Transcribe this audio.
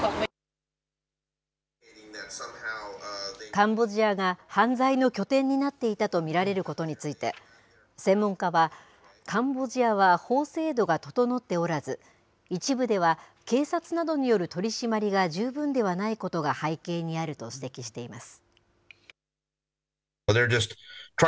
カンボジアが犯罪の拠点になっていたと見られることについて、専門家は、カンボジアは法制度が整っておらず、一部では警察などによる取締りが十分ではないことが背景にあると指摘しています。